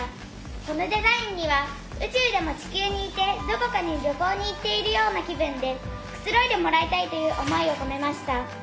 このデザインには宇宙でも地球にいてどこかに旅行に行っているような気分でくつろいでもらいたいという思いを込めました。